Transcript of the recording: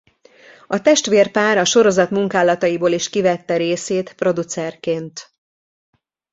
A testvérpár a sorozat munkálataiból is kivette részét producerként.